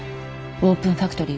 オープンファクトリー？